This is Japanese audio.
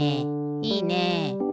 いいね！